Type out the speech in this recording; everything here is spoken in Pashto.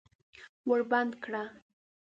ور بند کړه!